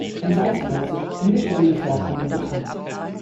In Salzburg sind nur unbeständige Vorkommen bekannt.